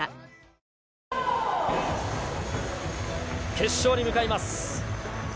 決勝に向かいます。